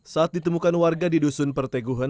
saat ditemukan warga di dusun perteguhan